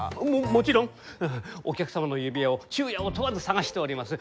もちろんお客様の指輪を昼夜を問わず探しております。